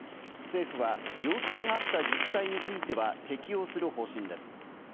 政府は要請があった自治体については適用する方針です。